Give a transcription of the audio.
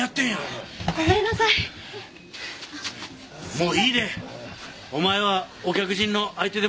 もういいで！